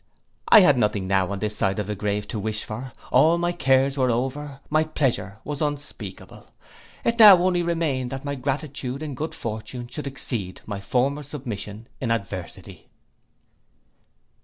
I had nothing now on this side of the grave to wish for, all my cares were over, my pleasure was unspeakable. It now only remained that my gratitude in good fortune should exceed my former submission in adversity.